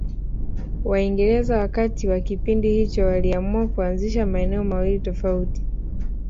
Waingereza wakati wa kipindi hicho waliamua kuanzisha maeneo mawili tofauti